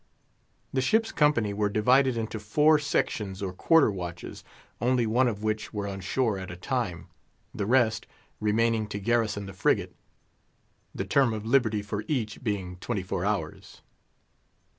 The ship's company were divided into four sections or quarter watches, only one of which were on shore at a time, the rest remaining to garrison the frigate—the term of liberty for each being twenty four hours.